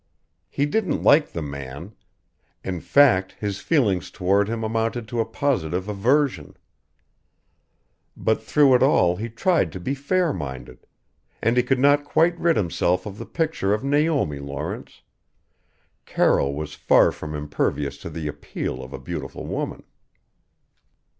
He didn't like the man in fact his feelings toward him amounted to a positive aversion. But through it all he tried to be fair minded and he could not quite rid himself of the picture of Naomi Lawrence Carroll was far from impervious to the appeal of a beautiful woman.